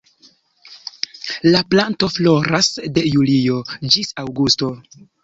La planto floras de julio ĝis aŭgusto.